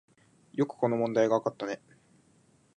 よくこの問題がわかったね